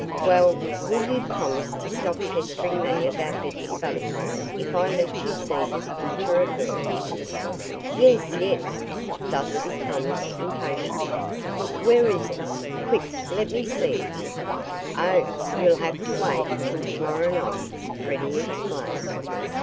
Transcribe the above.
"Well, will you promise to stop pestering me about Betsy Butterfly if I let you see this picture of her?" "Yes! yes!" Dusty promised impatiently. "Where is it? Quick! Let me see it!" "Oh! You'll have to wait till to morrow night," Freddie explained.